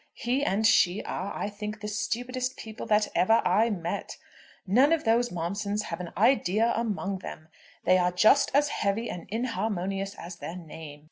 He and she are, I think, the stupidest people that ever I met. None of those Momsons have an idea among them. They are just as heavy and inharmonious as their name.